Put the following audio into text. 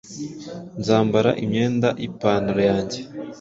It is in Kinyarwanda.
Nzambara imyenda yipantaro yanjye